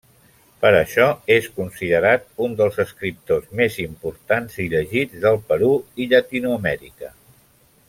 Per això és considerat un dels escriptors més importants i llegits del Perú i Llatinoamèrica.